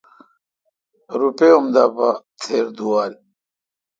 روپے اؙم دہ پہ تھیر دوال۔